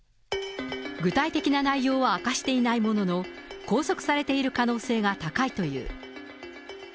具体的な内容は明かしていないものの、拘束されている可能性が高いという。